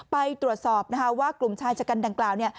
ไปตรวจสอบว่ากลุ่มชายชะกันดังกล่าว